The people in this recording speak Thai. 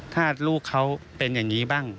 ถ้าลูกเขาเป็นอย่างนี้บ้าง